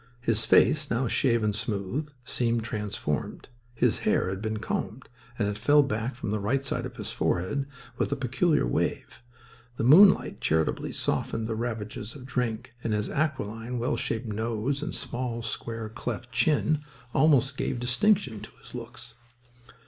His face, now shaven smooth, seemed transformed. His hair had been combed, and it fell back from the right side of his forehead with a peculiar wave. The moonlight charitably softened the ravages of drink; and his aquiline, well shaped nose and small, square cleft chin almost gave distinction to his looks.